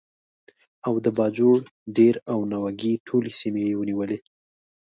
او د باجوړ، دیر او ناوګۍ ټولې سیمې یې ونیولې.